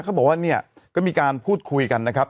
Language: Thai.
เขาบอกว่าเนี่ยก็มีการพูดคุยกันนะครับ